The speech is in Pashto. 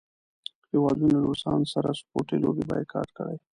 هیوادونو له روسانو سره سپورټي لوبې بایکاټ کړې.